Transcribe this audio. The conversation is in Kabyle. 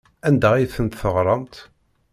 Anda ay tent-teɣramt?